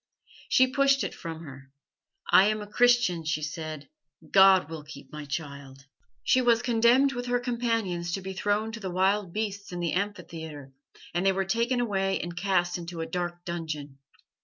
"She pushed it from her. 'I am a Christian,' she said. 'God will keep my child.' "She was condemned with her companions to be thrown to the wild beasts in the amphitheatre, and they were taken away and cast into a dark dungeon.